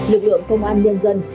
lực lượng công an nhân dân